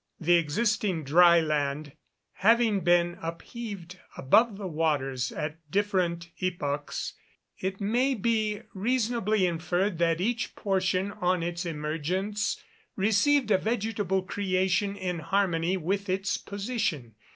The existing dry land having been upheaved above the waters at different epochs, it may be reasonably inferred that each portion on its emergence received a vegetable creation in harmony with its position.